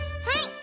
はい！